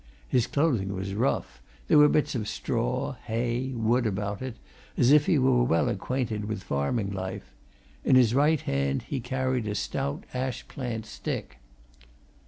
His clothing was rough; there were bits of straw, hay, wood about it, as if he were well acquainted with farming life; in his right hand he carried a stout ash plant stick.